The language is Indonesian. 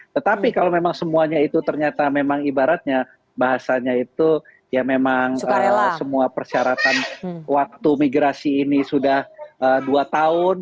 tetapi kalau memang semuanya itu ternyata memang ibaratnya bahasanya itu ya memang semua persyaratan waktu migrasi ini sudah dua tahun